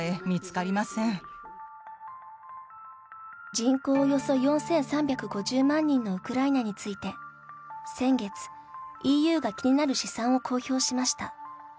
人口およそ４３５０万人のウクライナについて先月、ＥＵが気になる試算を公表しました。